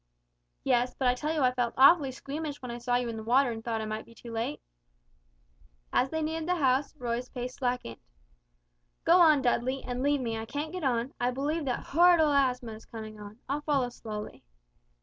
"Yes, but I tell you I felt awfully squeamish when I saw you in the water and thought I might be too late." As they neared the house, Roy's pace slackened. "Go on, Dudley, and leave me, I can't get on, I believe that horrid old asthma is coming on, I'll follow slowly."